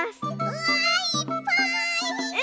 うわいっぱい！